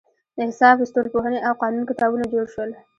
د حساب، ستورپوهنې او قانون کتابونه جوړ شول.